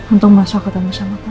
untuk masuk ketemu sama kamu